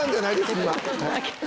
今。